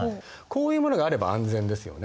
こういうものがあれば安全ですよね。